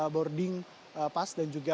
boarding pass dan juga